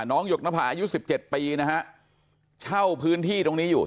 หยกนภาอายุสิบเจ็ดปีนะฮะเช่าพื้นที่ตรงนี้อยู่